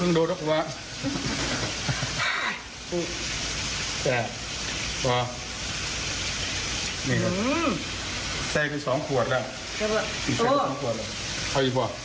อันนี้แซบคักเลย